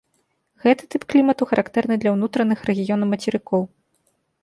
Гэты тып клімату характэрны для ўнутраных рэгіёнаў мацерыкоў.